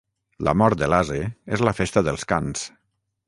La mort de l'ase és la festa dels cans.